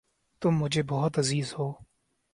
تم مجھے بہت عزیز ہو